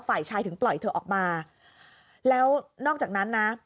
ฝ่ายชายถึงปล่อยเธอออกมาแล้วนอกจากนั้นนะ